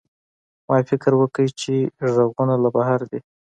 ما فکر وکړ چې غږونه له بهر دي.